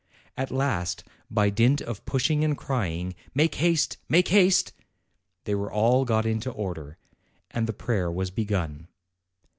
At last, by dint of pushing and crying, "Make haste! make haste!" they were all got into order, and the prayer was begun.